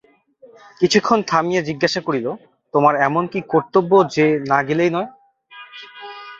কিছুক্ষণ থামিয়া জিজ্ঞাসা করিল, তোমার এমন কী কর্তব্য যে না গেলেই নয়।